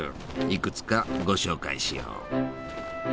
いくつかご紹介しよう。